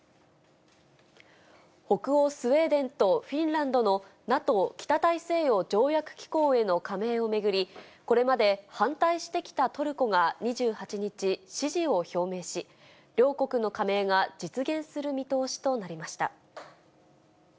北欧スウェーデンとフィンランドのＮＡＴＯ・北大西洋条約機構への加盟を巡り、これまで反対してきたトルコが２８日、支持を表明し、両国の加盟が実現する見通しとなりました。